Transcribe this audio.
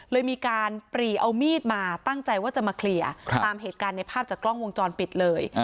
เลยมีการปรีเอามีดมาตั้งใจว่าจะมาเคลียร์ตามเหตุการณ์ในภาพจากกล้องวงจรปิดเลย